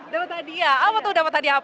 dapat hadiah apa tuh dapat hadiah apa